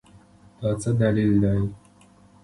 دا څه دلیل دی ؟